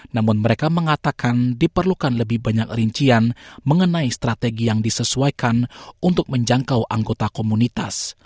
namun mereka mengatakan diperlukan lebih banyak rincian mengenai strategi yang disesuaikan untuk menjangkau anggota komunitas